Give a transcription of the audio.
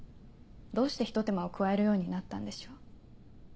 どうしてひと手間を加えるようになったんでしょう？